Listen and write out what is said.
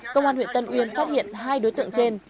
công an huyện tân uyên phát hiện hai đối tượng trên